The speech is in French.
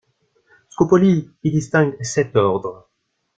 Scopoli y distingue sept ordres.